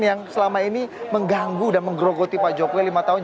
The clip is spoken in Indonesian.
yang selama ini mengganggu dan menggerogoti pak jokowi lima tahun